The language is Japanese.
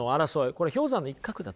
これ氷山の一角だと。